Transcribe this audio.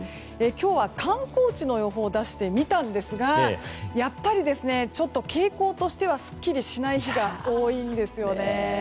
今日は観光地の予報を出してみたんですがやっぱり、傾向としてはすっきりしない日が多いんですよね。